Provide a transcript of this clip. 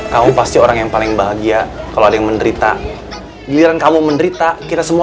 kamu pasti orang yang paling bahagia kalau ada yang menderita giliran kamu menderita kita semua